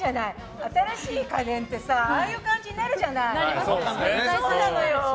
新しい家電ってさああいう感じになるじゃない！